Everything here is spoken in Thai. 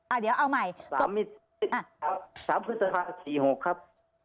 อ่าเดี๋ยวเอาใหม่สามสามสี่หกครับ